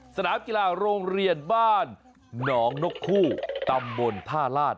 สนามกีฬาโรงเรียนบ้านหนองนกคู่ตำบลท่าลาศ